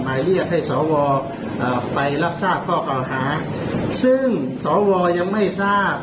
หมายเรียกให้สวไปรับทราบข้อเก่าหาซึ่งสวยังไม่ทราบ